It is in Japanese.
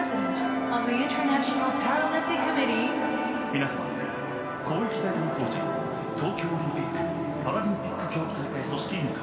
皆様公益財団法人東京オリンピック・パラリンピック競技大会組織委員会